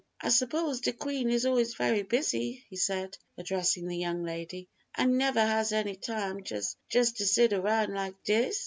"I suppose de Queen is always very busy," he said, addressing the young lady, "and never has any time jus' jus' to sit around like dis?"